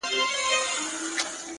o دا ځلي غواړم لېونی سم د هغې مینه کي،